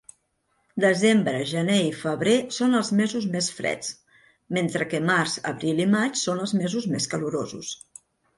Desembre, gener i febrer són els mesos més freds, mentre que març, abril i maig són els mesos més calorosos.